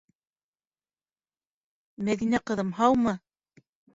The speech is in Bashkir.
Мәҙинә, ҡыҙым, һаумы?!